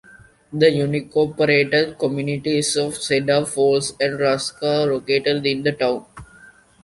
The unincorporated communities of Cedar Falls and Rusk are located in the town.